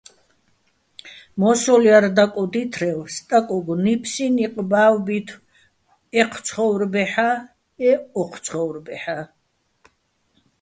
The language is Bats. მო́სოლ ჲარ დაკოდითრევ სტაკოგო̆ ნიფსიჼ ნიყ ბა́ვბითო̆ ეჴ ცხო́ვრბაჰ̦ა-ე́ ოჴ ცხო́ვრბაჰ̦ა́.